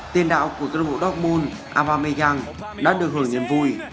tiên đạo của cơ đội bộ dortmund abameyang đã được hưởng nhân vui